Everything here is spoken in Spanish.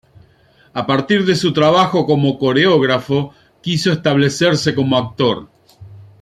A partir de su trabajo como coreógrafo quiso establecerse como actor.